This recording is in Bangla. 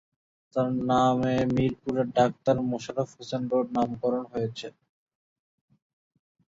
তার নামে মিরপুরের ‘ডাক্তার মোশাররফ হোসেন রোড’ নামকরণ হয়েছে।